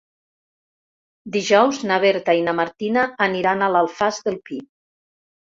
Dijous na Berta i na Martina aniran a l'Alfàs del Pi.